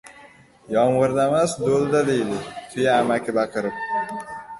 Yomg‘irdamas, do‘Ida! - deydi «Tuya» amaki baqirib.